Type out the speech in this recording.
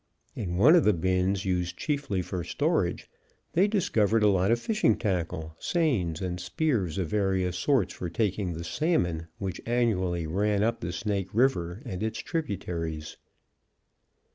In one of the bins, used chiefly for storage, they discovered a lot of fishing tackle, seines and spears of various sorts for taking the salmon which annually ran up the Snake River and its tributaries.